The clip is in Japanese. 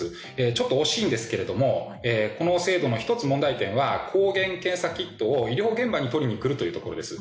ちょっと惜しいんですけれどもこの制度の１つ問題点は抗原検査キットを医療現場に取りに来るというところです。